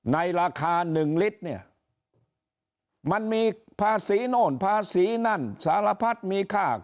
ในราคา๑ลิตรเนี่ยมันมีภาษีโน่นภาษีนั่นสารพัดมีค่า